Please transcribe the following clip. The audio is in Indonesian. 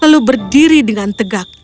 lalu berdiri dengan tegak